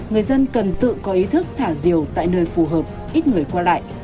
người dân cần tự có ý thức thả diều tại nơi phù hợp ít người qua lại